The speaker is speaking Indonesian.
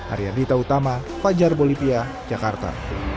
aryadita utama fajar bolivia jakarta